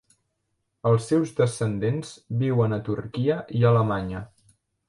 Els seus descendents viuen a Turquia i Alemanya.